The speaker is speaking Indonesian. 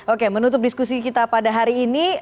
oke menutup diskusi kita pada hari ini